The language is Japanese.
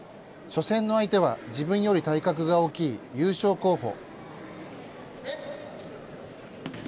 初戦の相手は自分より体格が大きい優勝候補。